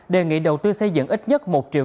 đề nghị đầu tư xây dựng ít nhất một triệu căn hộ nhà ở